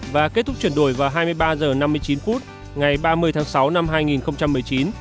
và kết thúc chuyển đổi vào hai mươi ba h năm mươi chín phút ngày ba mươi tháng sáu năm hai nghìn một mươi chín